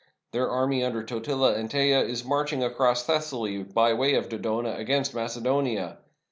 Their army, under Totila and Teja, is marching across Thessaly by way of Dodona against Macedonia.